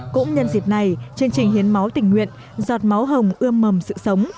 cũng nhân dịp này chương trình hiến máu tình nguyện giọt máu hồng ươm mầm sự sống